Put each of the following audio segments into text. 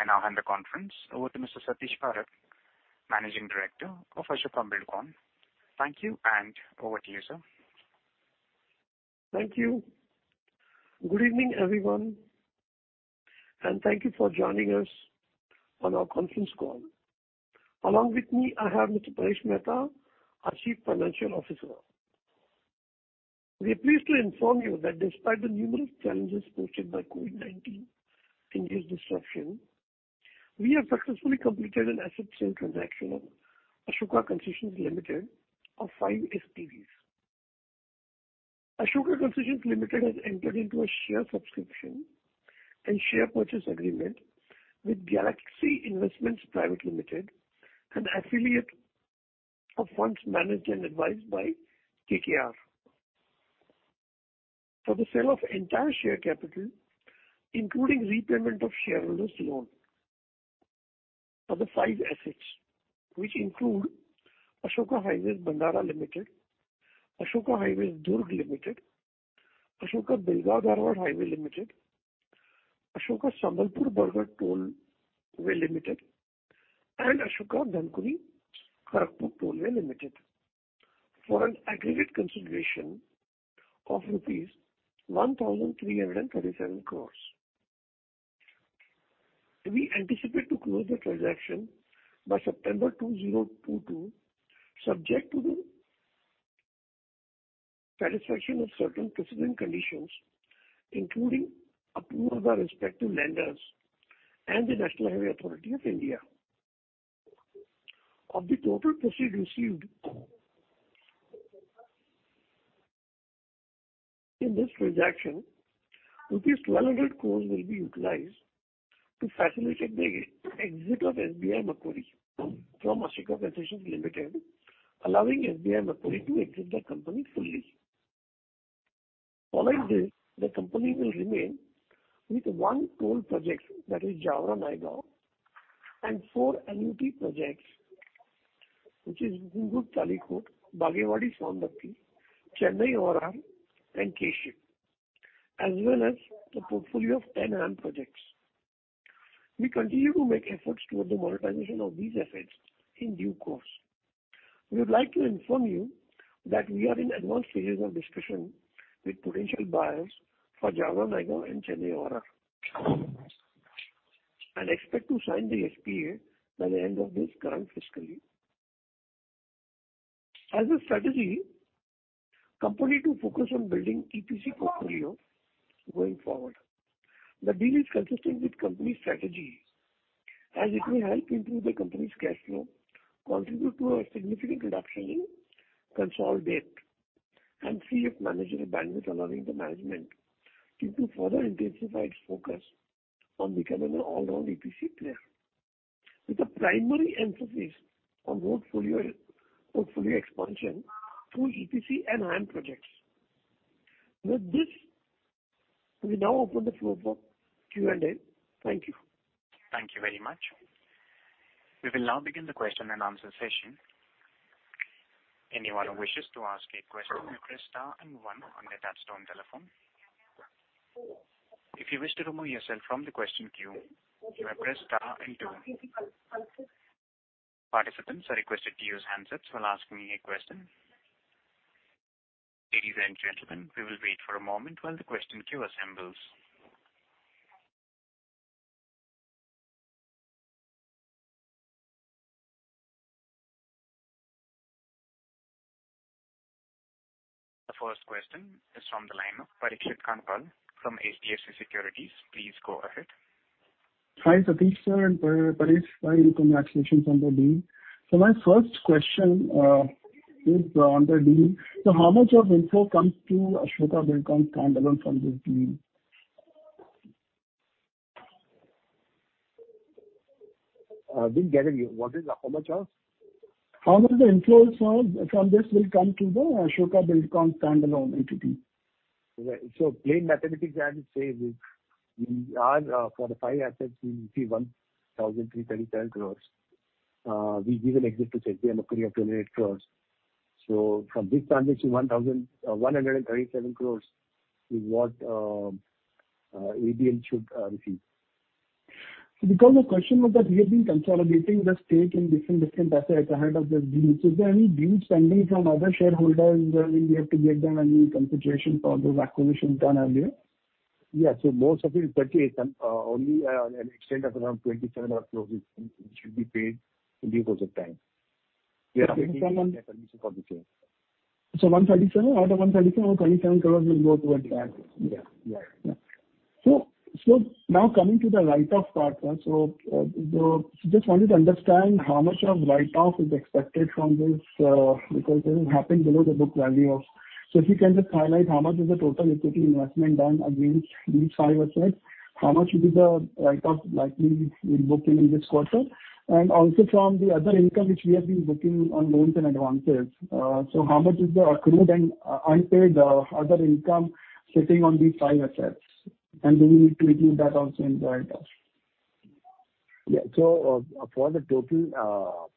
I now hand the conference over to Mr. Satish Parakh, Managing Director of Ashoka Buildcon. Thank you, and over to you, sir. Thank you. Good evening, everyone, and thank you for joining us on our conference call. Along with me, I have Mr. Paresh Mehta, our Chief Financial Officer. We are pleased to inform you that despite the numerous challenges posed by COVID-19-induced disruption, we have successfully completed an asset sale transaction of Ashoka Concessions Limited of five SPVs. Ashoka Concessions Limited has entered into a share subscription and share purchase agreement with Galaxy Investments Private Limited, an affiliate of funds managed and advised by KKR, for the sale of entire share capital, including repayment of shareholder's loan for the five assets, which include Ashoka Highways Bhandara Limited, Ashoka Highways Durg Limited, Ashoka Belgaum Dharwad Tollway Limited, Ashoka Sambalpur Baragarh Tollway Limited, and Ashoka Dhankuni Kharagpur Tollway Limited, for an aggregate consideration of rupees 1,337 crores. We anticipate to close the transaction by September 2022, subject to the satisfaction of certain precedent conditions, including approval by respective lenders and the National Highways Authority of India. Of the total proceeds received in this transaction, rupees 1,200 crore will be utilized to facilitate the exit of SBI-Macquarie from Ashoka Concessions Limited, allowing SBI-Macquarie to exit the company fully. Following this, the company will remain with one toll project, that is Jaora-Nayagaon, and four Annuity projects, which is Hungund-Talikot, Bagewadi-Saundatti, Chennai ORR, and KSHIP, as well as the portfolio of 10 HAM projects. We continue to make efforts toward the monetization of these assets in due course. We would like to inform you that we are in advanced stages of discussion with potential buyers for Jaora-Nayagaon and Chennai ORR, and expect to sign the SPA by the end of this current fiscal year. As a strategy, company to focus on building EPC portfolio going forward. The deal is consistent with company's strategy, as it may help improve the company's cash flow, contribute to a significant reduction in consolidated and CFO managerial bandwidth, allowing the management to further intensify its focus on becoming an all-around EPC player, with a primary emphasis on roads portfolio expansion through EPC and HAM projects. With this, we now open the floor for Q&A. Thank you. Thank you very much. We will now begin the question and answer session. Anyone who wishes to ask a question may press star and one on their touchtone telephone. If you wish to remove yourself from the question queue, you may press star and two. Participants are requested to use handsets while asking a question. Ladies and gentlemen, we will wait for a moment while the question queue assembles. The first question is from the line of Parikshit Kandpal from HDFC Securities. Please go ahead. Hi, Satish sir and Paresh, my congratulations on the deal. My first question is on the deal. How much of inflow comes to Ashoka Buildcon standalone from this deal? Didn't get it you. What is, how much of? How much of the inflows from this will come to the Ashoka Buildcon standalone entity? Right. So plain mathematics I would say is we are for the five assets, we see 1,337 crore. We give an exit to SBI-Macquarie of 28 crore. So from this transaction, 1,137 crore is what ABL should receive. So because the question was that we have been consolidating the stake in different, different assets ahead of the deal. So is there any dues pending from other shareholders, we have to give them any consideration for those acquisitions done earlier? Yeah. So most of it is 38, and only an extent of around 27 crore, which should be paid in due course of time. Yeah, 27... For the sale. 137, out of 137, around INR 27 crore will go toward that. Yeah. Yeah. Yeah. So now coming to the write-off part, just wanted to understand how much of write-off is expected from this, because it has happened below the book value of... So if you can just highlight how much is the total equity investment done against these five assets? How much will be the write-off likely we booked in this quarter? And also from the other income which we have been booking on loans and advances, so how much is the accrued and unpaid other income sitting on these five assets, and do we need to include that also in the write-off? Yeah. So, for the total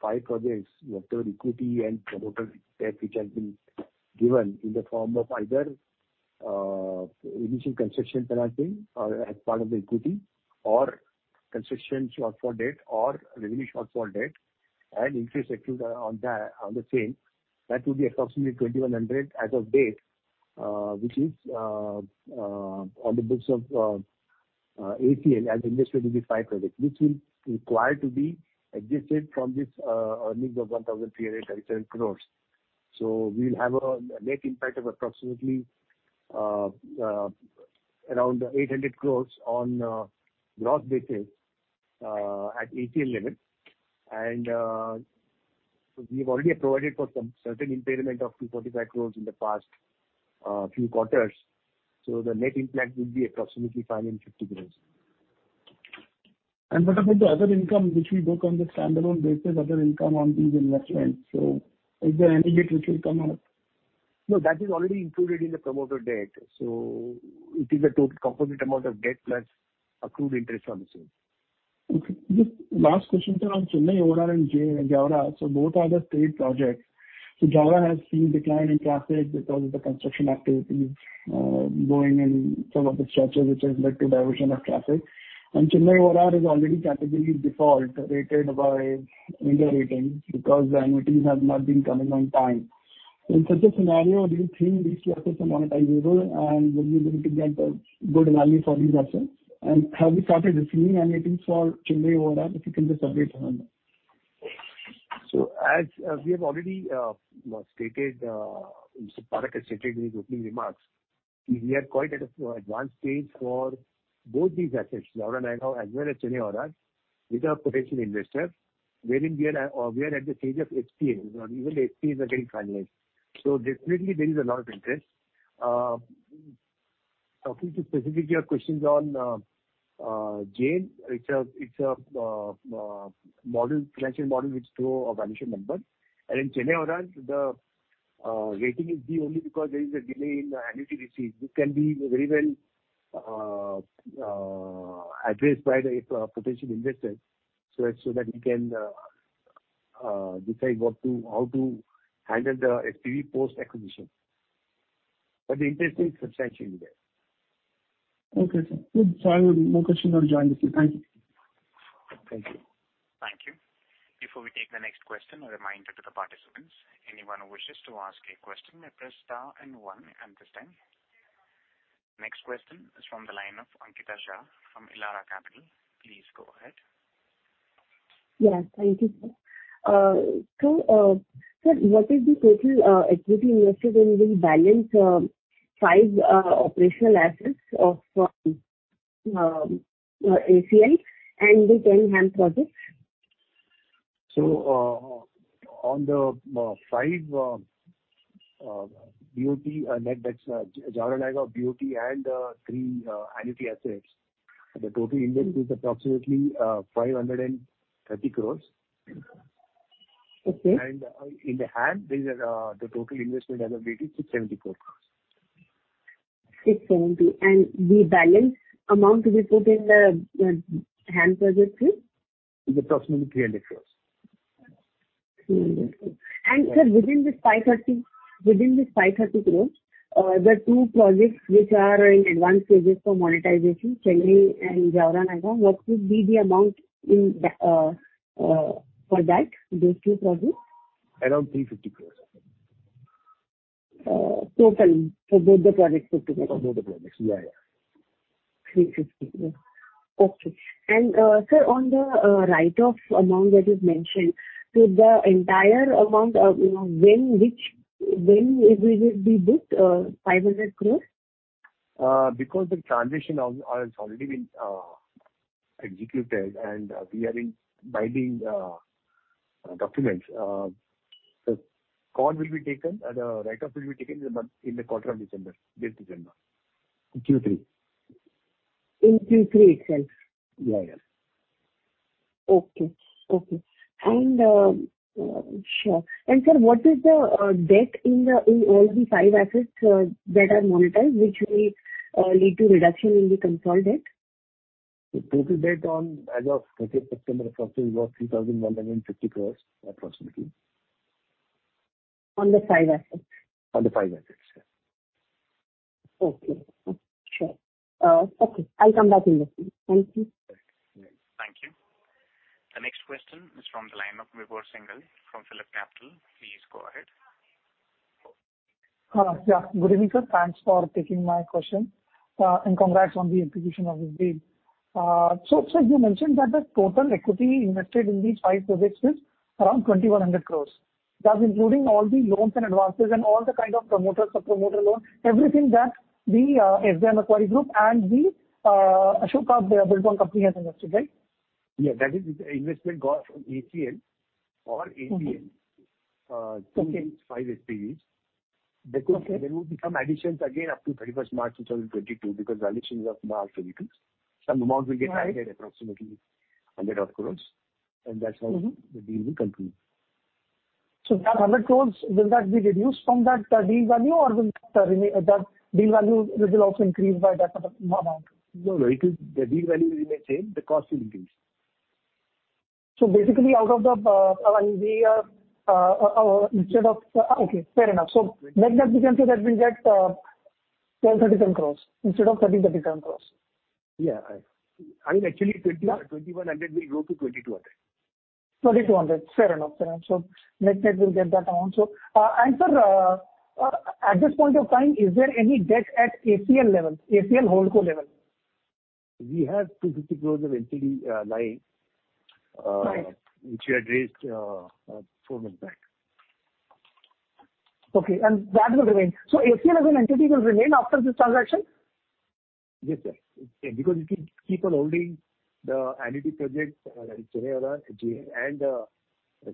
five projects, the total equity and the total debt which has been given in the form of either initial concession granting, or as part of the equity or construction support for debt or revenue support for debt and interest accrued on that, on the same, that will be approximately 2,100 crores as of date, which is on the books of ACL as inter-corporate credit, which will require to be adjusted from this earnings of 1,307 crores. So we'll have a net impact of approximately around 800 crores on gross basis at ACL level. And we've already provided for some certain impairment of 245 crores in the past few quarters, so the net impact would be approximately 550 crores. What about the other income, which we book on the standalone basis, other income on these investments? Is there any bit which will come out? No, that is already included in the promoter debt, so it is the total composite amount of debt plus accrued interest on the same. Okay. Just last question, sir, on Chennai ORR and Jaora. So both are the state projects. So Jaora has seen decline in traffic because of the construction activities, going in some of the structures which has led to diversion of traffic. And Chennai ORR is already category default rated by India Ratings, because the annuities have not been coming on time. In such a scenario, do you think these two assets are monetizable, and will you be able to get a good value for these assets? And have you started receiving annuities for Chennai ORR, if you can just update on that. So as we have already stated, Satish has stated in his opening remarks, we are quite at an advanced stage for both these assets, Jaora-Nayagaon as well as Chennai ORR, with our potential investor, wherein we are at the stage of SPA, even the SPAs are getting finalized. So definitely there is a lot of interest. Talking specifically to your questions on IRR, it's a financial model which show a valuation number. And in Chennai ORR, the rating is B only because there is a delay in the annuity receipt. This can be very well addressed by the potential investors, so that we can decide how to handle the SPV post-acquisition. But the interest is substantially there. Okay, sir. Good. So I have no question on joining you. Thank you. Thank you. Thank you. Before we take the next question, a reminder to the participants, anyone who wishes to ask a question, may press star and one at this time. Next question is from the line of Ankita Shah from Elara Capital. Please go ahead. Yeah, thank you, sir. So, sir, what is the total equity invested in the balance five operational assets of ACL and the 10 HAM projects? On the five BOT, that's Jaora-Nayagaon BOT and three annuity assets, the total investment is approximately 530 crore. Okay. In the end, these are the total investment as of date in 670 crore. 670. And the balance amount we put in the HAM project too? The approximately INR 300 crores. INR 300 crore. And, sir, within this 530 crore, within this 530 crore, the two projects which are in advanced stages for monetization, Chennai and Jaora-Nayagaon, what would be the amount in the, for that, those two projects? Around 350 crore. Total for both the projects put together? For both the projects, yeah, yeah. 350, yeah. Okay. Sir, on the write-off amount that you've mentioned, so the entire amount of, you know, when, which... When it will be booked, 500 crore? Because the transition has already been executed, and we are in binding documents, so call will be taken and the write-off will be taken in the month in the quarter of December, mid-December, in Q3. In Q3 itself? Yeah, yeah. Okay, okay. And, sure. And, sir, what is the debt in all the five assets that are monetized, which will lead to reduction in the consolidated? The total debt on as of 30 September approximately was 3,150 crore, approximately. On the five assets? On the five assets, yeah. Okay. Sure. Okay, I'll come back in this one. Thank you. Thank you. The next question is from the line of Vibhor Singhal from Phillip Capital. Please go ahead. Yeah, good evening, sir. Thanks for taking my question, and congrats on the execution of this deal. So, so you mentioned that the total equity invested in these five projects is around 2,100 crore. That's including all the loans and advances and all the kind of promoter, sub-promoter loan, everything that the SBI-Macquarie group and the Ashoka Buildcon company has invested, right? Yeah, that is the investment got from ACL or APM. Okay. Two things, five SPVs. Okay. There will be some additions again up to 31st March 2022, because the additions are for March 2022. Some amounts will get added- Right. - approximately 100-odd crores, and that's how- Mm-hmm. - the deal will conclude. That 100 crore, will that be reduced from that deal value, or will the deal value also increase by that amount? No, no, it is. The deal value remain same, the cost will increase. ...So basically—instead of—okay, fair enough. So net-net, we can say that we'll get 1,037 crore instead of 3,037 crore. Yeah. I mean, actually 2,100 will go to 2,200. 2,200. Fair enough, fair enough. So net-net, we'll get that amount. So, and sir, at this point of time, is there any debt at ACL level, ACL holdco level? We have 250 crore of NCD lying, Right. -which we had raised, four months back. Okay, and that will remain. So ACL as an entity will remain after this transaction? Yes, sir, because it will keep on holding the annuity projects, Chennai ORR, and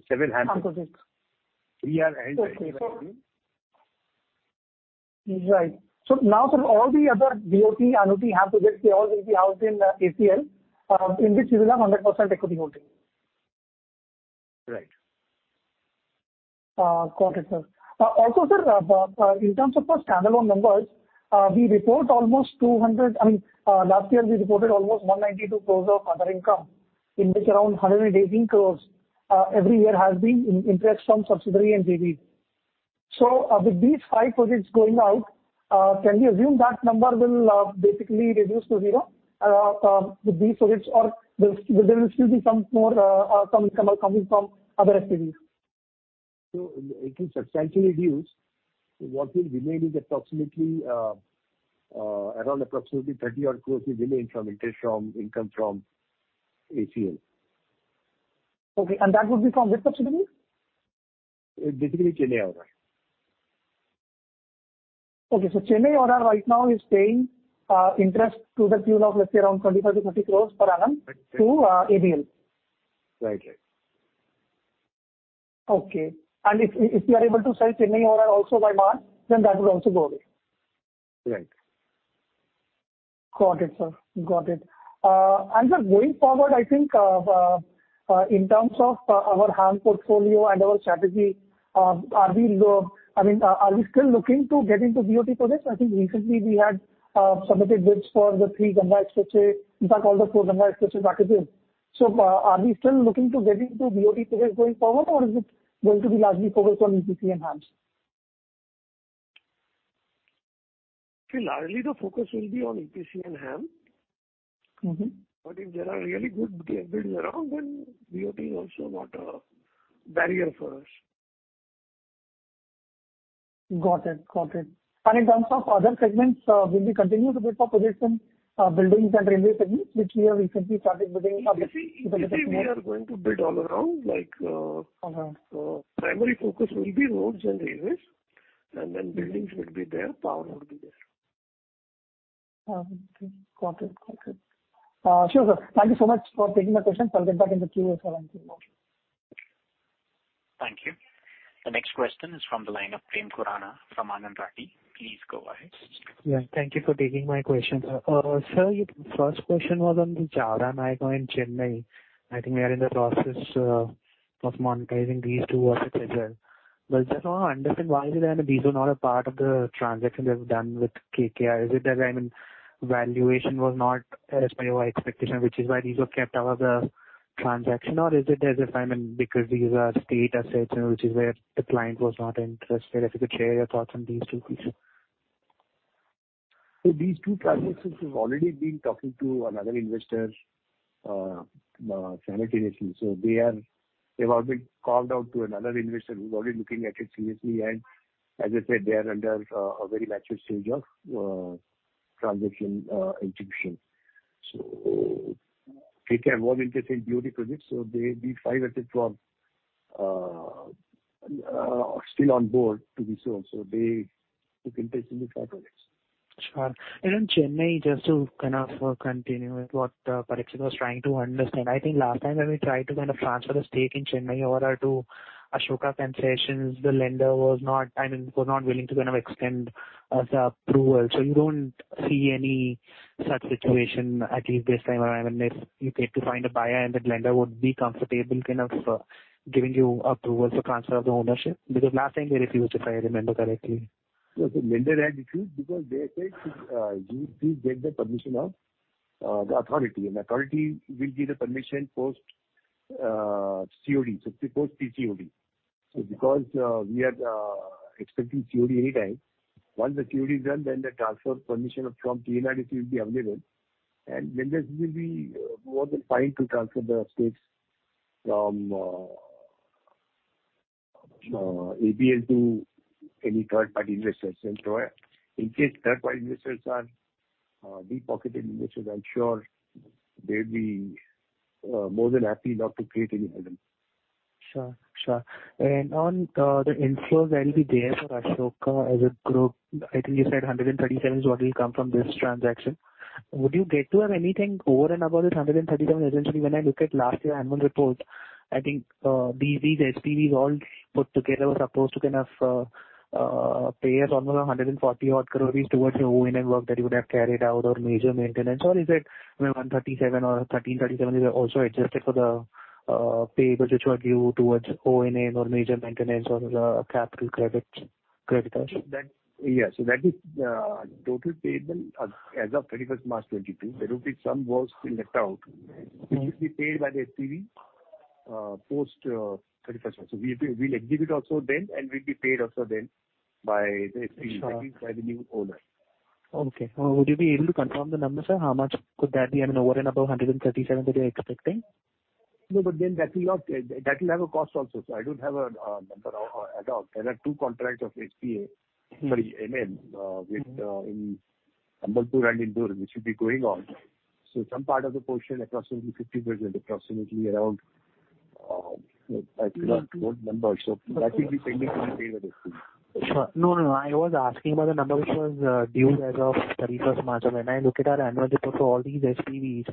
several HAM projects. We are- Okay. -and Right. So now, sir, all the other BOT, annuity have to get, they all will be housed in ACL, in which you will have 100% equity holding. Right. Got it, sir. Also, sir, in terms of our standalone numbers, we report almost 200, I mean, last year we reported almost 192 crore of other income, in which around 118 crore every year has been in interest from subsidiary and JV. So, with these five projects going out, can we assume that number will basically reduce to zero with these projects, or there will still be some more coming from other SPVs? It will substantially reduce. What will remain is approximately, around approximately 30-odd crores will remain from interest from, income from ACL. Okay, and that would be from which subsidiary? Basically, Chennai ORR. Okay, so Chennai ORR right now is paying interest to the tune of, let's say, around 25-30 crores per annum to ABL. Right, right. Okay. And if you are able to sell Chennai ORR also by March, then that would also go away. Right. Got it, sir. Got it. And sir, going forward, I think, in terms of our HAM portfolio and our strategy, I mean, are we still looking to get into BOT projects? I think recently we had submitted bids for the three Mumbai Expressways, in fact, all the four Mumbai Expressways packages. So, are we still looking to get into BOT projects going forward, or is it going to be largely focused on EPC and HAMs? Largely, the focus will be on EPC and HAM. Mm-hmm. But if there are really good deals around, then BOT is also not a barrier for us. Got it. Got it. In terms of other segments, will you continue to bid for projects in buildings and railway segments, which we have recently started bidding on? We are going to bid all around, like, Uh-huh. Primary focus will be roads and railways, and then buildings will be there, power will be there. Got it. Got it. Sure, sir. Thank you so much for taking my question. I'll get back in the queue if I have anything more. Thank you. The next question is from the line of Prem Khurana from Anand Rathi. Please go ahead. Yeah, thank you for taking my question, sir. Sir, first question was on the Chennai ORR. I think we are in the process of monetizing these two assets as well. But just want to understand, why is it that these are not a part of the transaction that was done with KKR? Is it that, I mean, valuation was not as per your expectation, which is why these were kept out of the transaction? Or is it as if, I mean, because these are state assets and which is where the client was not interested? If you could share your thoughts on these two, please. These two transactions, we've already been talking to another investor simultaneously. So they are, they've all been carved out to another investor who's already looking at it seriously, and as I said, they are under a very mature stage of transaction execution. So KKR more interested in BOT projects, so they, these five assets were still on board to be sold, so they took interest in the five projects. Sure. And in Chennai, just to kind of continue with what Parikshit was trying to understand, I think last time when we tried to kind of transfer the stake in Chennai over to Ashoka Concessions, the lender was not, I mean, was not willing to kind of extend the approval. So you don't see any such situation, at least this time around, I mean, if you get to find a buyer, and the lender would be comfortable kind of giving you approvals for transfer of the ownership? Because last time they refused, if I remember correctly. Yes, the lender had refused because they said, you please get the permission of, the authority, and authority will give the permission post COD, so post PCOD. So because, we are expecting COD anytime, once the COD is done, then the transfer permission from TNRDC will be available, and lenders will be more than fine to transfer the stakes from ABL to any third-party investors. And so, in case third-party investors are deep-pocketed investors, I'm sure they'll be more than happy enough to create any item. Sure, sure. And on, the inflows that will be there for Ashoka as a group, I think you said 137 is what will come from this transaction. Would you get to have anything over and above this 137? Essentially, when I look at last year annual report, I think, these, these SPVs all put together were supposed to kind of, pay us almost 140-odd crores rupees towards your ONM work that you would have carried out, or major maintenance, or is it 137 or 1,337 is also adjusted for the, payments which were due towards ONM or major maintenance or the capital credits?... Correct, Ash? That, yeah, so that is total payment as of 31st March 2022. There will be some works still left out- Mm-hmm. -which will be paid by the SPV post 31st March. So we'll exhibit also then, and we'll be paid also then by the SPV- Sure. by the new owner. Okay. Would you be able to confirm the numbers, sir? How much could that be over and above 137 that you are expecting? No, but then that will not, that, that will have a cost also. So I don't have a number at all. There are two contracts of HPA, sorry, MM. Mm-hmm. with in Sambalpur and Indore, which should be going on. So some part of the portion approximately 50 million, approximately around, I do not know the numbers, so that will be pending to be paid with it. Sure. No, no, no, I was asking about the number which was due as of thirty-first March. When I look at our annual report for all these SPVs,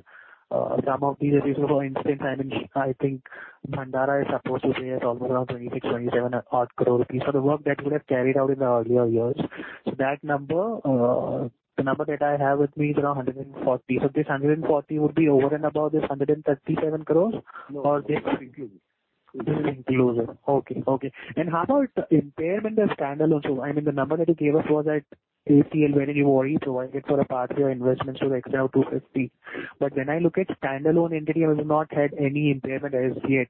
some of these, for instance, I mean, I think Bhandara is supposed to pay us almost around 26-27 odd crore for the work that we have carried out in the earlier years. So that number, the number that I have with me is around 140. So this 140 would be over and above this 137 crore or this- No, this is inclusive. This is inclusive. Okay, okay. How about the impairment of standalone? So I mean, the number that you gave us was at ACL, where you already provided for a part of your investment, so the extra of 250. But when I look at standalone entity, you have not had any impairment as yet.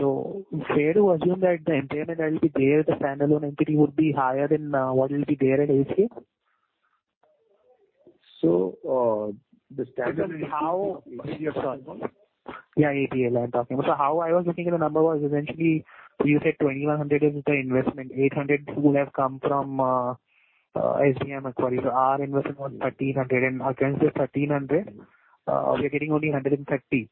So fair to assume that the impairment that will be there, the standalone entity would be higher than what will be there at ACL? The standard- How... Sorry, what? Yeah, ACL, I'm talking about. So how I was looking at the number was essentially you said 2,100 is the investment, 800 would have come from, HBM and Macquarie. So our investment was 1,300, and against the 1,300, we're getting only 130,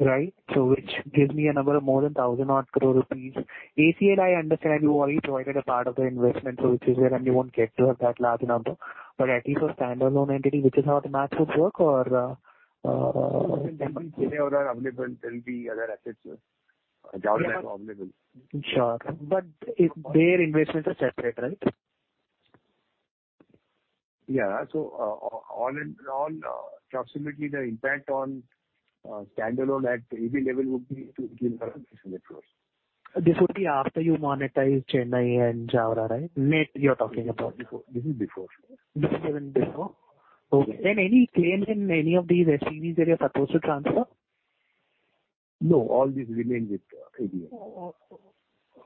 right? So which gives me a number of more than 1,000-odd crore rupees. ACL, I understand you already provided a part of the investment, so which is there, and you won't get to have that large number. But at least for standalone entity, which is how the math would work or, There are other available. There will be other assets, Jaora is available. Sure. But if their investments are separate, right? Yeah. So, all in all, approximately the impact on standalone at EBITDA level would be INR 250 crore. This would be after you monetize Chennai and Jaora, right? Net you're talking about. Before. This is before. This is even before? Okay. Any claim in any of these SPVs that you're supposed to transfer? No, all these remain with ABL.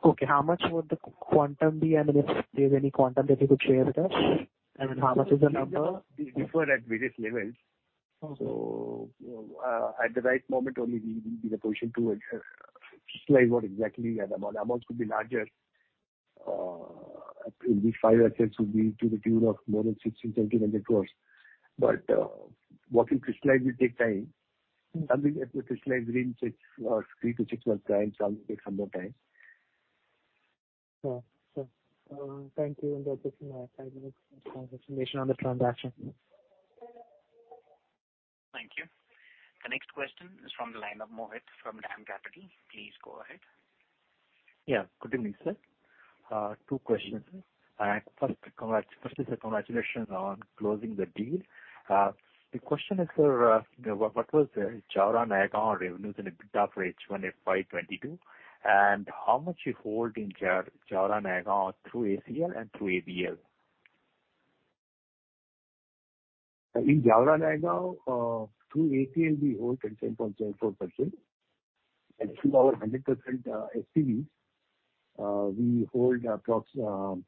Okay. How much would the quantum be? I mean, if there's any quantum that you could share with us. I mean, how much is the number? They differ at various levels. Okay. At the right moment only we will be in a position to decide what exactly, and amount, amounts could be larger. In these five assets would be to the tune of more than 1,600-1,700 crores. But, what we crystallize will take time. Mm. Nothing that we crystallize within six or three to six months' time, some will take some more time. Sure. Sure. Thank you, and that's it for my five minutes information on the transaction. Thank you. The next question is from the line of Mohit from DAM Capital. Please go ahead. Yeah, good evening, sir. Two questions. First, congrats, firstly, sir, congratulations on closing the deal. The question is, sir, what was the Jaora-Nayagaon revenues and EBITDA for H1 FY 2022, and how much you hold in Jaora-Nayagaon through ACL and through ABL? In Jaora-Nayagaon, through ACL, we hold 10.74%, and through our 100% SPV, we hold approx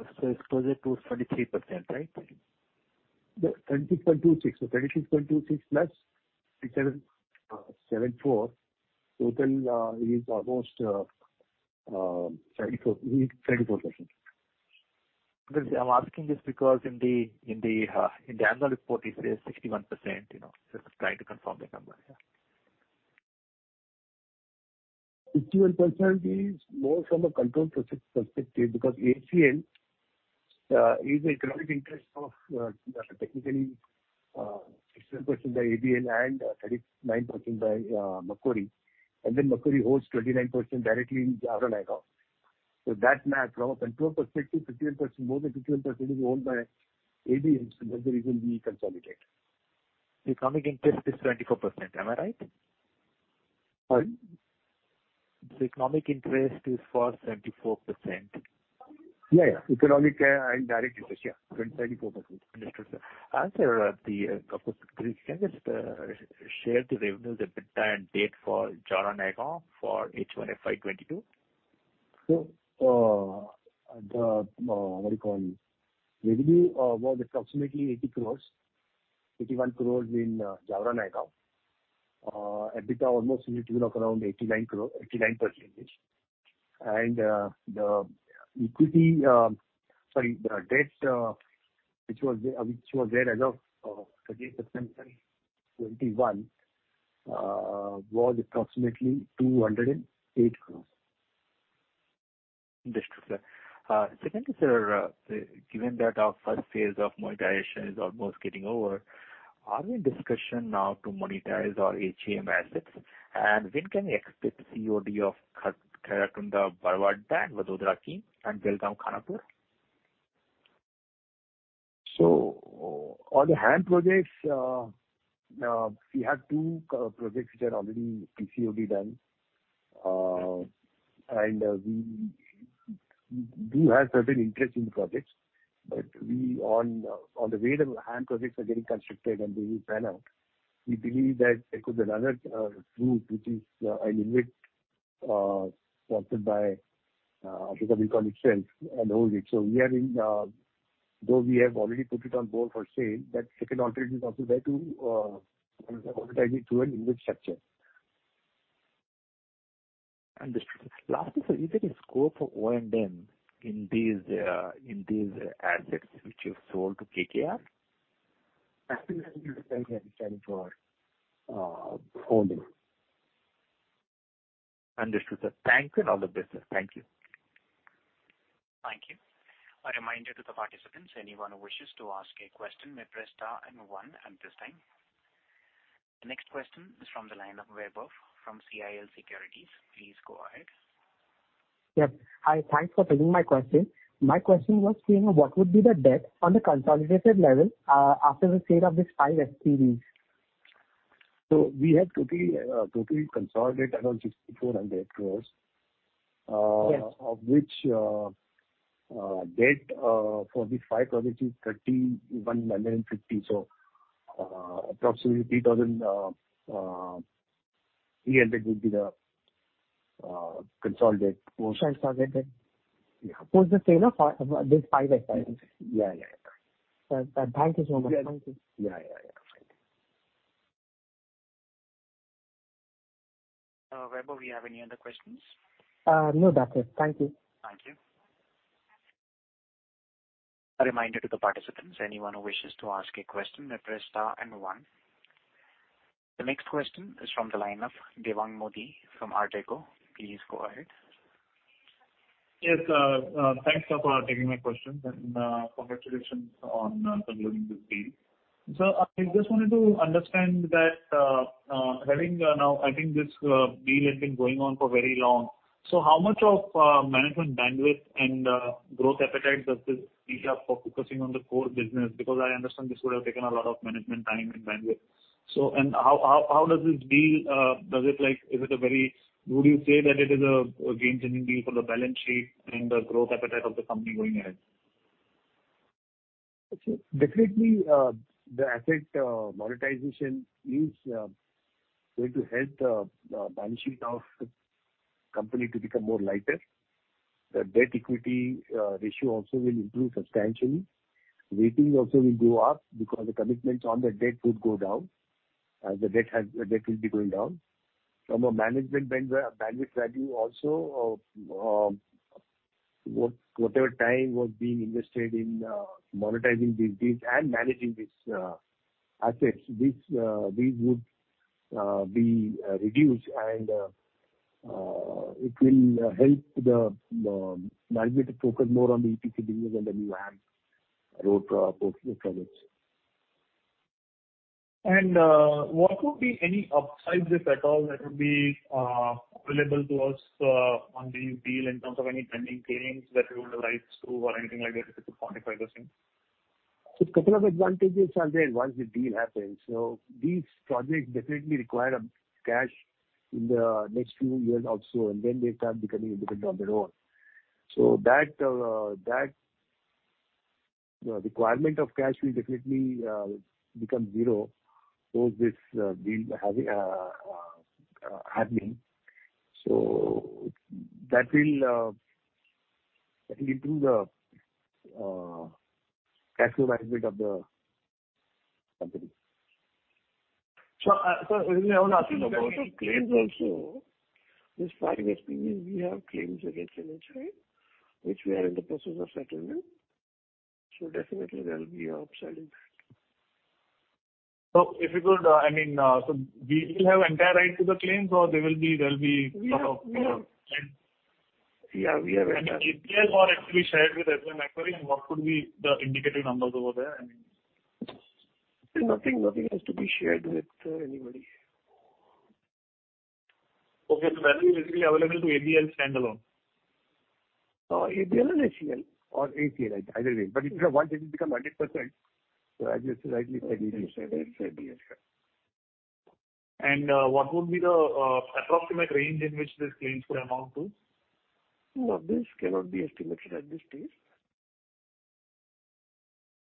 26.26%. It's closer to 23%, right? The 26.26%. So 26.26% + 6.7%, 7.4%, total, 34%, 34%. I'm asking this because in the annual report, it says 61%, you know, just trying to confirm the number here. 61% is more from a control perspective, because ACL is an economic interest of, technically, 60% by ABL and 39% by Macquarie. And then Macquarie holds 29% directly in Jaora-Nayagaon. So that math, from a control perspective, 61%, more than 51% is owned by ABL, so that's the reason we consolidate. The economic interest is 74%, am I right? Pardon? The economic interest is for 74%. Yeah, yeah, economic, I narrated it, yeah, 74%. Understood, sir. Sir, can you just share the revenues, EBITDA, and date for Jaora-Nayagaon for H1 FY 2022? The what do you call it? Revenue was approximately 80 crore, 81 crore in Jaora-Nayagaon. EBITDA almost in the tune of around 89 crore, 89%. The equity, sorry, the debt, which was there as of 30 September 2021, was approximately INR 208 crore. Understood, sir. Secondly, sir, given that our first phase of monetization is almost getting over, are we in discussion now to monetize our HAM assets, and when can we expect the COD of Khairatunda, Barwa Adda, Vadodara-Kim, and Belgaum-Khanapur?... So on the HAM projects, we have two projects which are already PCOD done. And we do have certain interest in the projects, but on the way the HAM projects are getting constructed and being planned out, we believe that there could be another route, which is an InvIT sponsored by NHAI itself and hold it. So, though we have already put it up for sale, that second alternative is also there to monetize it through an InvIT structure. Understood. Lastly, sir, is there any scope of O&M in these assets which you've sold to KKR? I think that will be the same as selling for only. Understood, sir. Thank you, and all the best, sir. Thank you. Thank you. A reminder to the participants, anyone who wishes to ask a question, may press star and one at this time. The next question is from the line of Vaibhav from CIL Securities. Please go ahead. Yep. Hi, thanks for taking my question. My question was, you know, what would be the debt on the consolidated level after the sale of these five SPVs? We have totally consolidated around 6,400 crore- Yes. Of which debt for the five projects is 31.15 million. So, approximately 3,000 less would be the consolidated portion. Consolidated debt. Yeah. Post the sale of this five SPVs? Yeah, yeah. Sir, thank you so much. Thank you. Yeah, yeah, yeah. Thank you. Vaibhav, do you have any other questions? No, that's it. Thank you. Thank you. A reminder to the participants, anyone who wishes to ask a question, may press star and one. The next question is from the line of Devang Modi from [RJ Co]. Please go ahead. Yes, thanks, sir, for taking my question, and congratulations on concluding this deal. So I just wanted to understand that, having now, I think this deal has been going on for very long. So how much of management bandwidth and growth appetite does this eat up for focusing on the core business? Because I understand this would have taken a lot of management time and bandwidth. So and how does this deal does it like... Is it a very - would you say that it is a game-changing deal for the balance sheet and the growth appetite of the company going ahead? Definitely, the asset monetization is going to help the balance sheet of the company to become more lighter. The debt/equity ratio also will improve substantially. Rating also will go up because the commitments on the debt would go down, as the debt has, the debt will be going down. From a management bandwidth value also, whatever time was being invested in monetizing these deals and managing these assets, these would be reduced and it will help the management to focus more on the EPC business and the new HAM road portfolio projects. What would be any upside risk at all that would be available to us on the deal in terms of any pending claims that we would arise to or anything like that, if you could quantify those things? So couple of advantages are there once the deal happens. So these projects definitely require a cash in the next few years or so, and then they start becoming independent on their own. So that, the requirement of cash will definitely become zero once this deal has happening. So that will improve the cash flow management of the company. So, so I want to ask you about the claims also. These five SPVs, we have claims against NHAI, which we are in the process of settlement. So definitely there will be an upside in that. So if you could, I mean, so we will have entire right to the claims, or there will be, there will be- Yeah, we have. APL are actually shared with us as an inquiry, and what could be the indicative numbers over there, I mean? Nothing, nothing has to be shared with anybody. Okay. So value is basically available to ABL standalone? ABL or ACL or ACL, either way, but it will become 100%. So as you rightly said, it is ABL. What would be the approximate range in which these claims could amount to? Well, this cannot be estimated at this stage.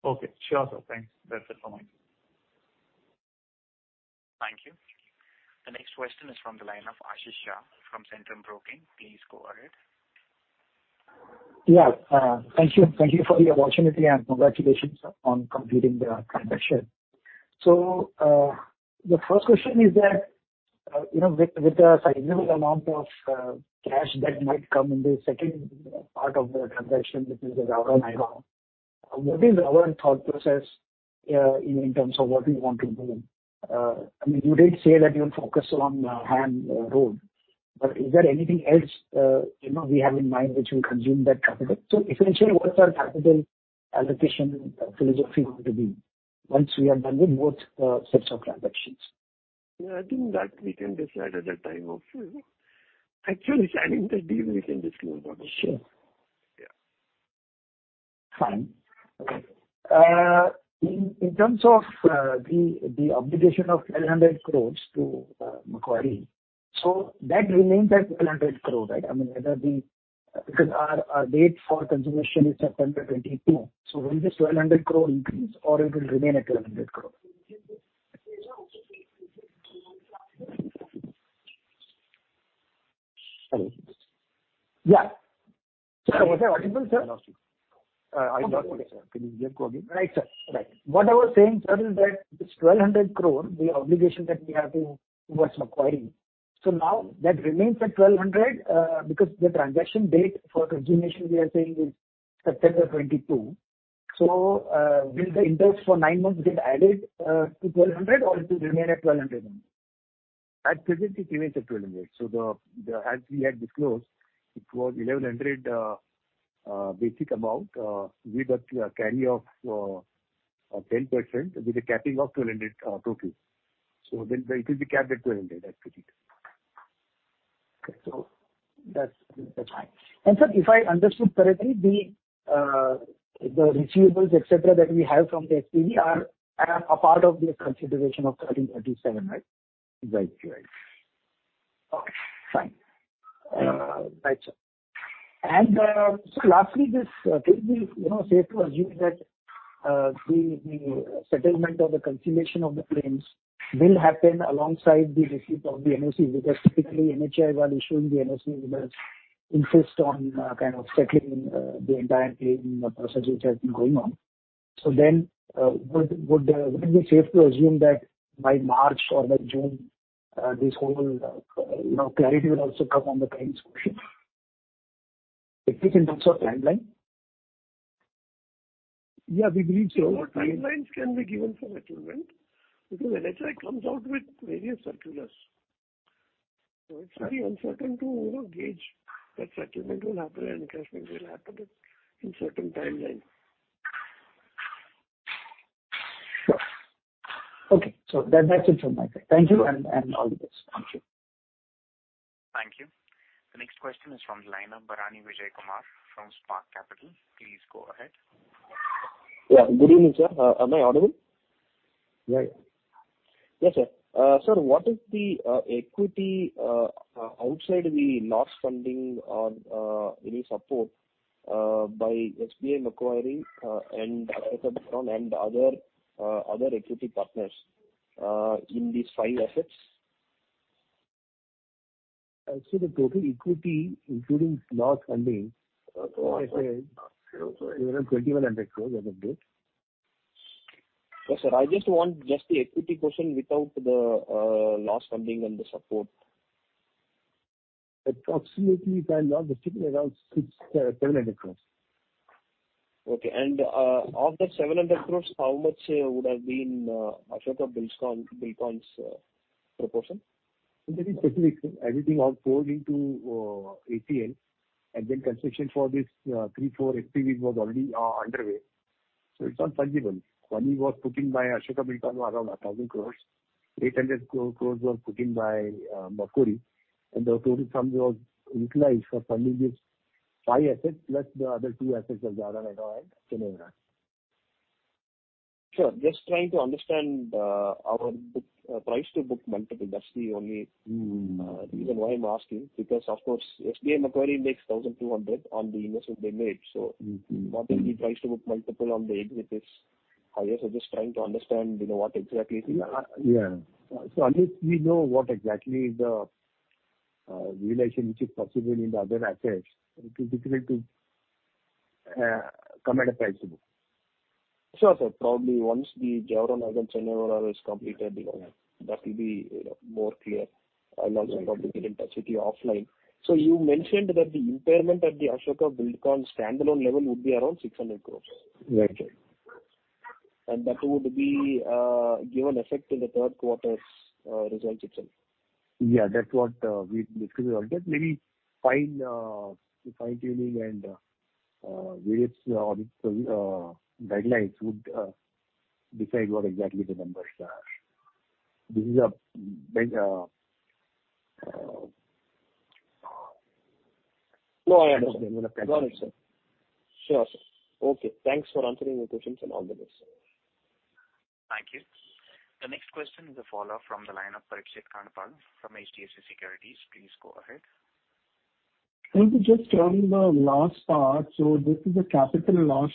Okay, sure, sir. Thanks. That's it from my end. Thank you. The next question is from the line of Ashish Shah from Centrum Broking. Please go ahead. Yeah. Thank you. Thank you for the opportunity, and congratulations on completing the transaction. So, the first question is that, you know, with, with the significant amount of, cash that might come in the second part of the transaction, which is the round nine round, what is our thought process, in terms of what we want to do? I mean, you did say that you're focused on, HAM road, but is there anything else, you know, we have in mind which will consume that capital? So essentially, what is our capital allocation philosophy going to be once we have done with both, sets of transactions? Yeah, I think that we can decide at the time of actually signing the deal, we can disclose about the share. Yeah. Fine. Okay. In terms of the obligation of 1,200 crore to Macquarie, so that remains at 1,200 crore, right? I mean, whether because our date for consideration is September 2022. So will this 1,200 crore increase or it will remain at 1,200 crore? Hello? Yeah. Sir, was I audible, sir? I lost you. I lost you, sir. Can you just go again? Right, sir. Right. What I was saying, sir, is that this 1,200 crore, the obligation that we have towards Macquarie. So now that remains at 1,200 crore, because the transaction date for consideration we are saying is September 2022. So, will the interest for nine months get added to 1,200 crore or it will remain at 1,200 crore only? At present, it remains at 1,200. So as we had disclosed, it was 1,100 basic amount with a carry of 10%, with a capping of 1,200 total. So then it will be capped at 1,200 at present. Okay. So that's, that's fine. And sir, if I understood correctly, the, the receivables, et cetera, that we have from the SPV are, are a part of the consideration of 1,337, right? Right. Right. Okay, fine. Right, sir. And, so lastly, this, can we, you know, safely assume that, the settlement of the consideration of the claims will happen alongside the receipt of the NOC? Because typically, NHAI, while issuing the NOC, will insist on, kind of settling, the entire claim process which has been going on. So then, would it be safe to assume that by March or by June, this whole, you know, clarity will also come on the claims question? Especially in terms of timeline? Yeah, we believe so. No timelines can be given for settlement because NHAI comes out with various circulars. So it's very uncertain to, you know, gauge that settlement will happen and disbursement will happen in certain timeline. Sure. Okay. So, that's it from my side. Thank you, and all the best. Thank you. Thank you. The next question is from the line of Bharani Vijayakumar from Spark Capital. Please go ahead. Yeah. Good evening, sir. Am I audible? Yeah. Yes, sir. Sir, what is the equity outside the loss funding or any support by SBI and Macquarie, and Ashoka Buildcon and other equity partners in these five assets? I see the total equity, including loss funding, around INR 2,100 crore as of date. Yes, sir. I just want just the equity portion without the loss funding and the support. Approximately, around, sitting around 600-700 crore. Okay. And, of the 700 crore, how much would have been Ashoka Buildcon, Buildcon's proportion? There is specific, everything all poured into, ATL, and then consideration for this, three, four SPV was already, underway. So it's not fungible. Money was put in by Ashoka Buildcon around 1,000 crore. 800 crore was put in by, Macquarie, and the total sum was utilized for funding these five assets, plus the other two assets of Jaora-Nayagoan and Chennai ORR. Sure. Just trying to understand, our book, price to book multiple. That's the only- Mm. Reason why I'm asking, because, of course, SBI and Macquarie makes 1,200 on the investment they made. Mm-hmm. What is the price-to-book multiple on the equity, which is higher? Just trying to understand, you know, what exactly is it? Yeah. So unless we know what exactly is the realization which is possible in the other assets, it will be difficult to come at a price to book. Sure, sir. Probably once the Jaora-Nayagaon is completed, you know, that will be, you know, more clear, and also probably we can discuss it offline. So you mentioned that the impairment at the Ashoka Buildcon standalone level would be around INR 600 crore? Right, sir. That would give an effect in the third quarter's results itself. Yeah, that's what we discussed. Maybe fine-tuning and various guidelines would decide what exactly the numbers are. This is a big... No, I understand. Got it, sir. Sure, sir. Okay. Thanks for answering my questions and all the best. Thank you. The next question is a follow-up from the line of Parikshit Kandpal from HDFC Securities. Please go ahead. Thank you. Just on the last part, so this is a capital loss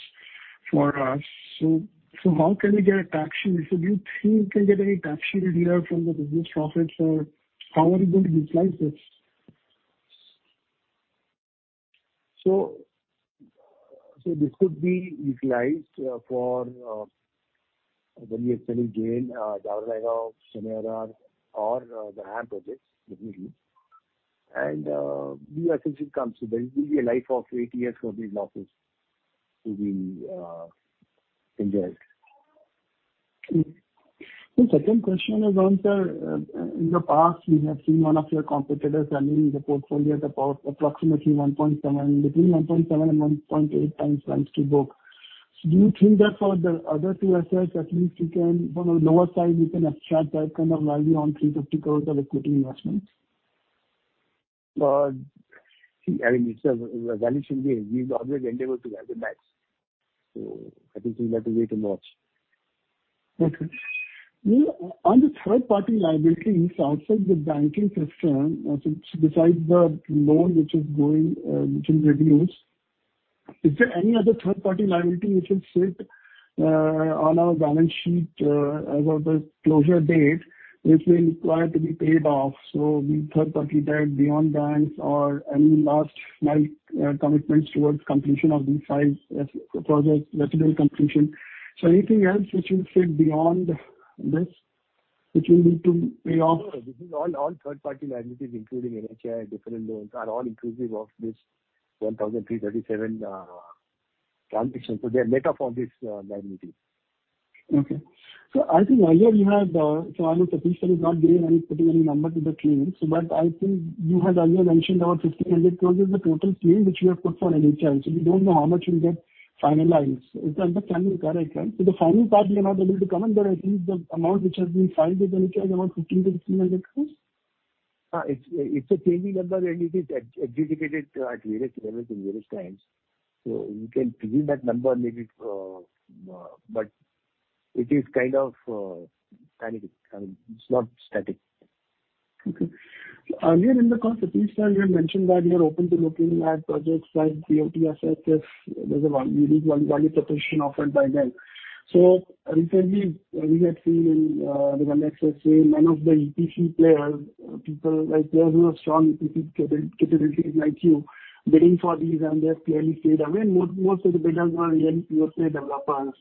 for us. So, so how can we get a taxation? So do you think you can get any taxation relief from the business profits, or how are you going to utilize this? So this could be utilized for when we have selling gain, Jaora-Nayagoan, Chennai ORR, or the HAM projects, definitely. These assets should come. There will be a life of eight years for these losses to be enjoyed. Okay. The second question is on, sir, in the past, we have seen one of your competitors running the portfolio at about approximately 1.7, between 1.7 and 1.8x price to book.... Do you think that for the other two assets, at least you can, from the lower side, you can abstract that kind of value on 350 crore of equity investment? See, I mean, it's a valuation game. We've always endeavored to have the best. So I think we've got to wait and watch. Okay. On the third-party liabilities outside the banking system, so besides the loan which is going, which is reduced, is there any other third-party liability which will sit on our balance sheet as of the closure date, which will require to be paid off? So the third-party debt beyond banks or any large sum commitments towards completion of these five projects, substantial completion. So anything else which will sit beyond this, which we need to pay off? No. This is all third-party liabilities, including NHAI, different loans, are all inclusive of this 1,337 transition. So they are better for this liability. Okay. So I think earlier you had, so I mean, Satish is not giving any, putting any number to the claim. So but I think you had earlier mentioned about 1,500 crores is the total claim which you have put for NHAI. So we don't know how much you get finalized. Is that the correct, right? So the final part we are not able to comment, but at least the amount which has been filed with NHAI is around 15 crore-300 crore? It's a changing number, and it is adjudicated at various levels in various times. So you can preview that number maybe, but it is kind of dynamic. I mean, it's not static. Okay. Earlier in the call, Satish, you had mentioned that you are open to looking at projects like BOT assets if there's a value, unique value proposition offered by them. So recently, we had seen in the Ganga Expressway, many of the EPC players, people like players who have strong EPC capabilities like you, bidding for these, and they've clearly stayed away. Most of the bidders were real USA developers.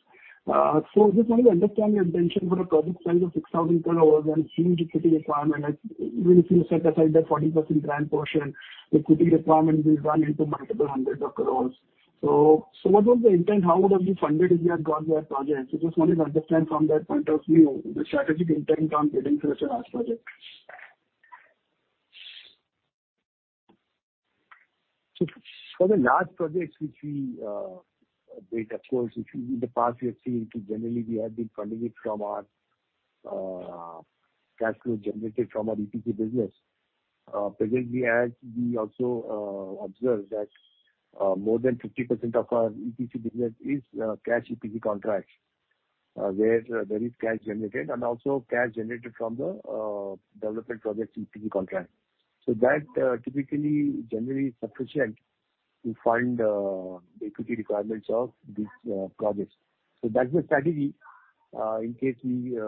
So just wanted to understand your intention for a project size of 6,000 crore and huge equity requirement. If you set aside that 40% grant portion, the equity requirement will run into multiple hundreds of crore. So what was the intent? How would have you funded if you had got that project? So just wanted to understand from that point of view, the strategic intent on getting such a large project. So for the large projects which we bid, of course, which in the past we have seen, generally, we have been funding it from our cash flow generated from our EPC business. Presently, as we also observe that, more than 50% of our EPC business is cash EPC contracts, where there is cash generated and also cash generated from the development projects EPC contract. So that typically generally sufficient to fund the equity requirements of these projects. So that's the strategy, in case we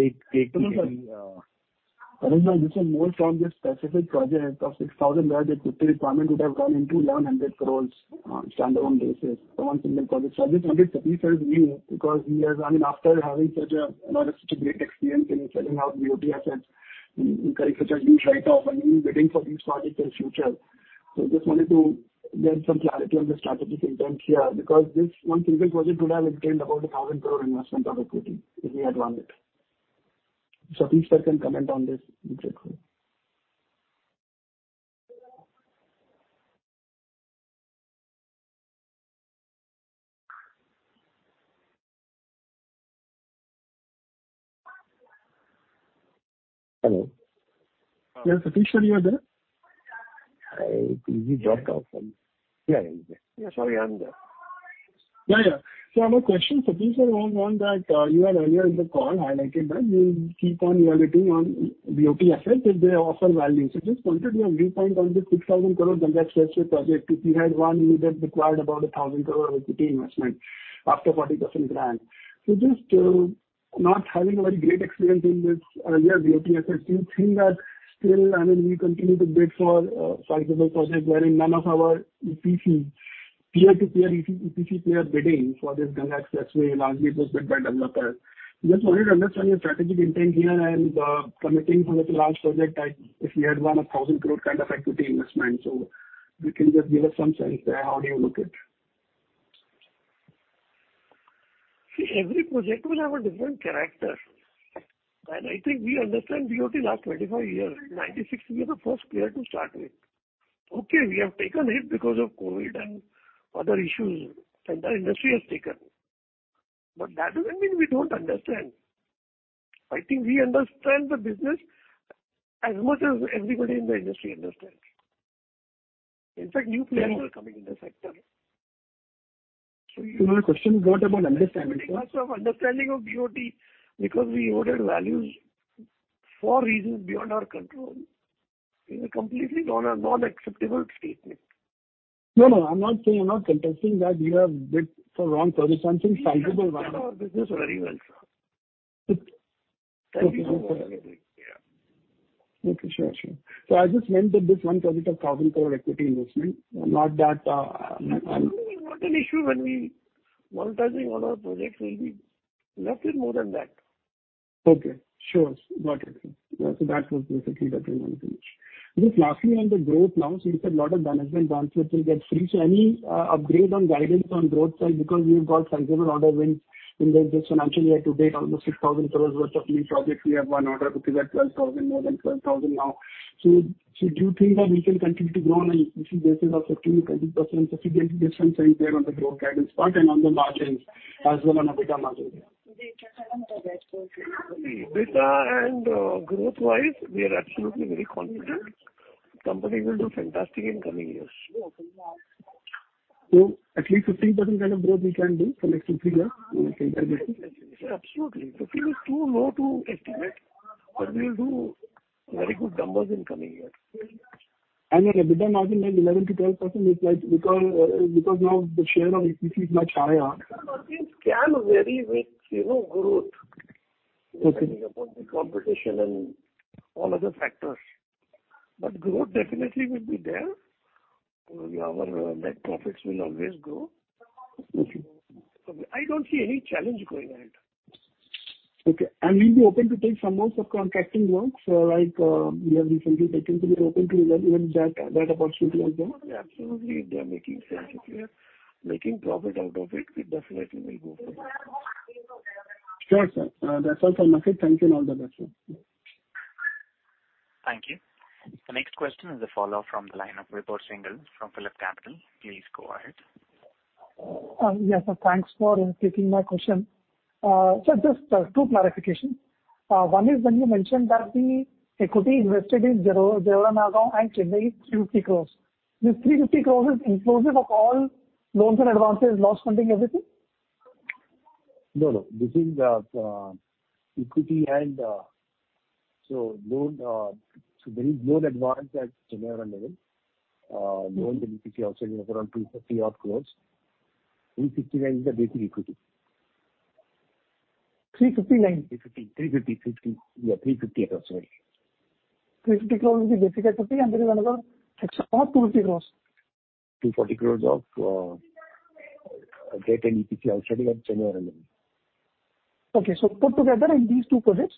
take any- No, no, this is more from this specific project of 6,000, where the equity requirement would have run into 100 crore, standalone basis on single project. So I just wanted Satish, because he has... I mean, after having such a, such a great experience in selling out BOT assets, in case a huge write-off and bidding for these projects in future. So just wanted to get some clarity on the strategic intent here, because this one single project would have attained about 1,000 crore investment of equity if we had won it. Satish, you can comment on this briefly. Hello? Yeah, Satish, are you there? I, you dropped off. Yeah, yeah. Yeah, sorry, I'm there. Yeah, yeah. So I have a question, Satish, one that you had earlier in the call highlighted that you will keep on evaluating on BOT assets if they offer value. So just wanted your viewpoint on the 6,000 crore Ganga Expressway project. If you had won, you would have required about a 1,000 crore equity investment after 40% grant. So just not having a very great experience in these earlier BOT assets, do you think that still, I mean, we continue to bid for sizable projects wherein none of our EPC peer-to-peer EPC players bidding for this Ganga Expressway, largely it was bid by developers. Just wanted to understand your strategic intent here and committing for the large project, like if we had won a 1,000 crore kind of equity investment. So you can just give us some sense there, how do you look at it? See, every project will have a different character, and I think we understand BOT last 25 years. 1996, we are the first player to start with. Okay, we have taken hit because of COVID and other issues, and the industry has taken, but that doesn't mean we don't understand. I think we understand the business as much as everybody in the industry understands. In fact, new players are coming in the sector. So my question is what about understanding, sir? Understanding of BOT, because we ordered values for reasons beyond our control, is a completely non-acceptable statement. No, no, I'm not saying, I'm not contesting that you have bid for wrong purpose. I'm saying sizable one. We understand our business very well, sir. Okay, sure, sure. So I just meant that this one project of 1,000 crore equity investment, not that. Not an issue when we monetizing all our projects will be nothing more than that. Okay, sure. Got it. So that was basically the thing I wanted to reach. Just lastly, on the growth now, so you said a lot of management balance sheet will get free. So any upgrade on guidance on growth side, because we've got sizable order wins in this financial year to date, almost 6,000 crore worth of new projects. We have one order, which is at 12,000 crore, more than 12,000 crore now. So do you think that we can continue to grow on a yearly basis of 15%-20%, sufficiently different saying there on the growth guidance part and on the margins as well on EBITDA margin?... The EBITDA and, growth-wise, we are absolutely very confident. Company will do fantastic in coming years. At least 15% kind of growth we can do for next three years in EBITDA? Absolutely. 15% is too low to estimate, but we'll do very good numbers in coming years. Your EBITDA margin, like 11%-12%, is like because now the share of EPC is much higher. Margin can vary with, you know, growth- Okay. Depending upon the competition and all other factors. But growth definitely will be there. Our net profits will always grow. Okay. I don't see any challenge going ahead. Okay. And we'll be open to take some more subcontracting work, so like, we have recently taken, so we are open to even that, that opportunity as well? Absolutely. If they are making sense, if we are making profit out of it, we definitely will go for it. Sure, sir. That's all from my side. Thank you, and all the best, sir. Thank you. The next question is a follow-up from the line of Vibhor Singhal from Phillip Capital. Please go ahead. Yes, sir. Thanks for taking my question. So just two clarifications. One is when you mentioned that the equity invested in Jaora-Nayagaon and Chennai is 350 crore. This 350 crore is inclusive of all loans and advances, loss funding, everything? No, no. This is equity and so loan, so there is loan advance at Jaora level. Loan to EPC also is around 250-odd crores. 359 is the basic equity. 359? 350, 350. Yeah, 350 crore, sorry. 350 crores is the basic equity, and there is another extra 240 crores. 240 crores of debt and EPC also we have Jaora level. Okay, so put together in these two projects,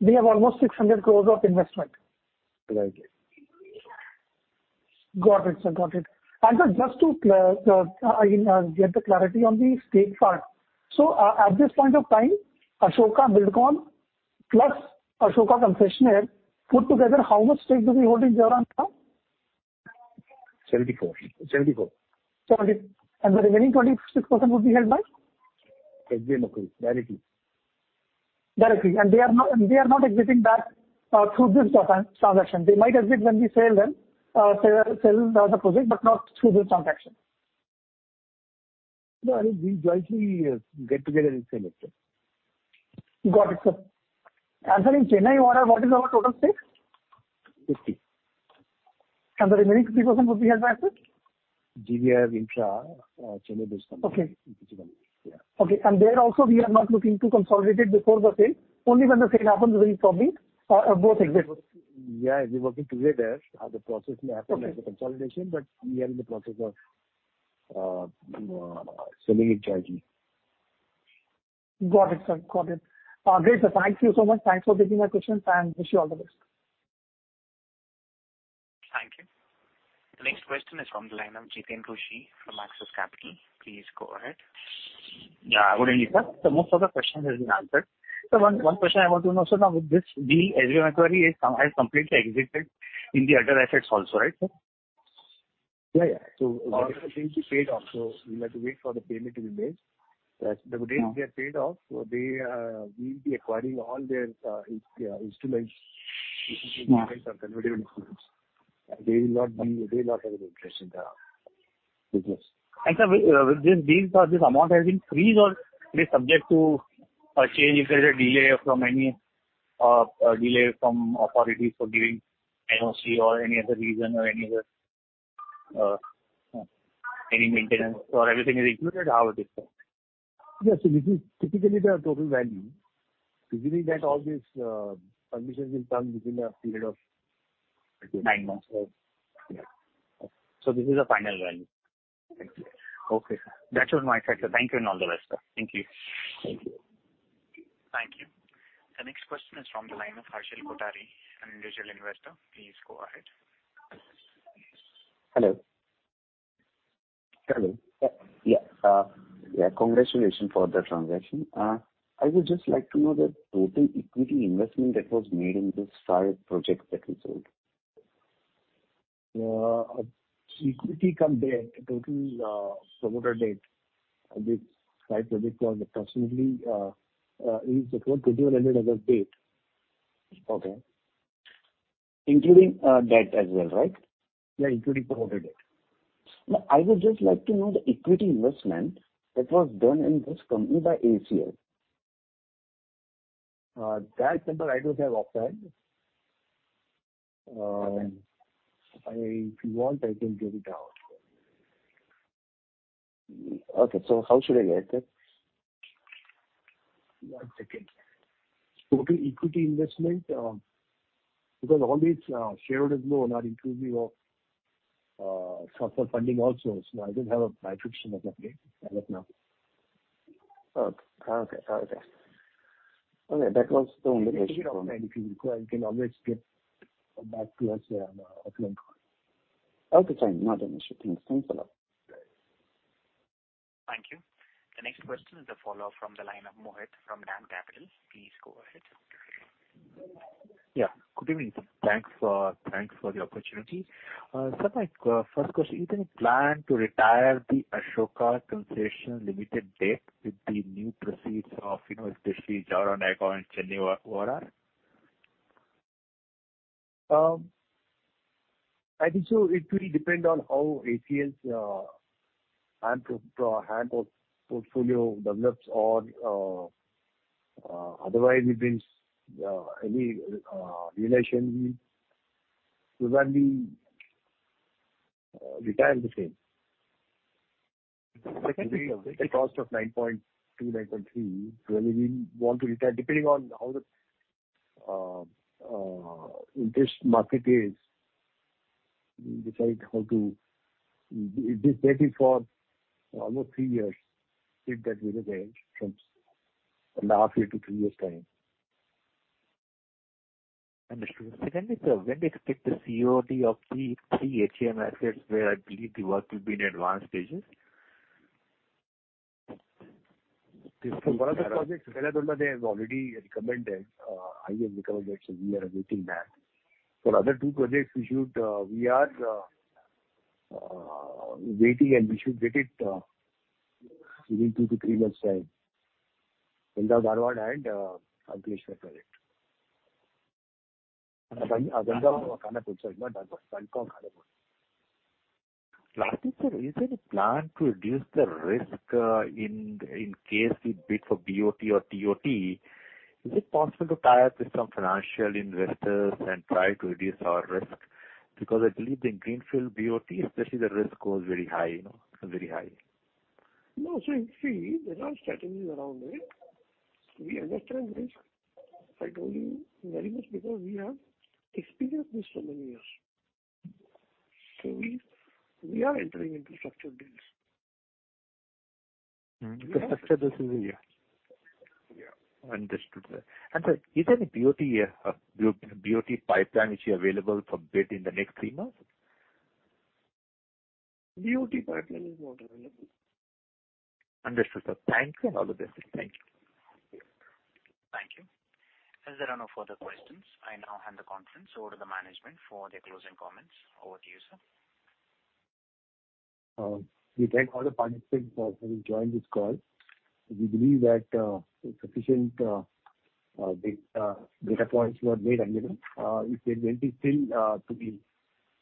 they have almost 600 crore of investment. Right. Got it, sir. Got it. And, just to get the clarity on the stake part. So at this point of time, Ashoka Buildcon plus Ashoka Concessions, put together, how much stake do we hold in Jaora now? 74%. 74%. And the remaining 26% would be held by? HBA locally, directly. Directly. They are not, they are not exiting that through this transaction. They might exit when we sell them, sell the project, but not through this transaction. No, I think we jointly get together and sell it. Got it, sir. Sir, in Chennai ORR, what is our total stake? 50%. The remaining 50% would be held by us? GVR Infra, Chennai-based company. Okay. Yeah. Okay. There also, we are not looking to consolidate before the sale. Only when the sale happens, then we probably both exit. Yeah, we're working together there, how the process may happen- Okay. - as a consolidation, but we are in the process of selling it jointly. Got it, sir. Got it. Great, sir. Thank you so much. Thanks for taking my questions, and wish you all the best. Thank you. The next question is from the line of Jiteen Rushe from Axis Capital. Please go ahead. Yeah, good evening, sir. So most of the question has been answered. So one, one question I want to know, so now with this, the HBA Equity is, has completely exited in the other assets also, right, sir? Yeah, yeah. So all the things is paid off, so we'll have to wait for the payment to be made. But the day they are paid off, so they, we'll be acquiring all their instruments, convertible instruments. They will not be. They will not have an interest in the business. Sir, with this, this amount has been freed or it is subject to a change if there is a delay from authorities for giving NOC or any other reason or any other maintenance or everything is included? How it is, sir? Yes, so this is typically the total value. Typically, that all these permissions will come within a period of- Nine months. Yeah. So this is the final value? Exactly. Okay, sir. That's all my side, sir. Thank you and all the best, sir. Thank you. Thank you. Thank you. The next question is from the line of Harshal Kothari, an individual investor. Please go ahead. Hello. Hello. Yeah, yeah, congratulations for the transaction. I would just like to know the total equity investment that was made in this five projects that we sold. Equity cum debt, total, promoter debt, this five projects was approximately is around INR 2,100 as of date. Okay. Including debt as well, right? Yeah, including promoter debt. No, I would just like to know the equity investment that was done in this company by ACL? That number I don't have offhand. If you want, I can give it out. Okay, so how should I get it? One second. Total equity investment, because all these, shareholder will not include your, software funding also. So I don't have a matrix of that right, now. Okay, okay. Okay, that was the only reason. If you require, you can always get back to us, offline. Okay, fine. Not an issue. Thanks. Thanks a lot. Thank you. The next question is a follow-up from the line of Mohit from DAM Capital. Please go ahead.... Yeah. Good evening. Thanks for the opportunity. Sir, my first question: Is there any plan to retire the Ashoka Concessions Limited debt with the new proceeds of, you know, especially Jaora-Nayagaon and Chennai ORR? I think so, it will depend on how ACL's handover portfolio develops or otherwise, it means in relation, we will retire the same. Secondly, sir- The cost of 9.2-9.3, really, we want to retire. Depending on how the interest market is, we decide how to... This ready for almost three years, if that will arrange from the last year to three years' time. Understood. Secondly, sir, when do you expect the COD of the three HAM assets, where I believe the work will be in advanced stages? For one of the projects, Belgaum-Dharwad, they have already recommended higher recommendations. We are awaiting that. For other two projects, we should, we are, waiting, and we should get it within two to three months' time. Belgaum-Dharwad and Ankleshwar project. Belgaum-Dharwad. Lastly, sir, is there any plan to reduce the risk in case we bid for BOT or TOT? Is it possible to tie up with some financial investors and try to reduce our risk? Because I believe in greenfield BOT, especially the risk goes very high, you know, very high. No, so indeed, there are strategies around it. We understand risk, I told you, very much because we have experienced this for many years. So we are entering into structured deals. Mm-hmm, structured deals in India. Yeah. Understood, sir. Sir, is there any BOT, BOT pipeline, which is available for bid in the next three months? BOT pipeline is not available. Understood, sir. Thank you, and all the best. Thank you. Thank you. As there are no further questions, I now hand the conference over to the management for their closing comments. Over to you, sir. We thank all the participants for having joined this call. We believe that sufficient data points were made available. If there will be still to be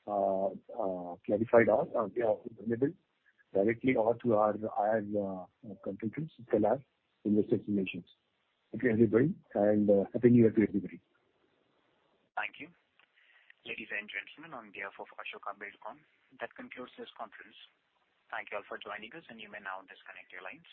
clarified on, we are available directly or through our IR team, Investor Relations. Thank you, everybody, and have a new year to everybody. Thank you. Ladies and gentlemen, on behalf of Ashoka Buildcon, that concludes this conference. Thank you all for joining us, and you may now disconnect your lines.